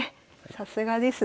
さすがですね。